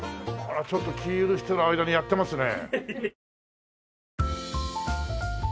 ちょっと気許してる間にやってますね。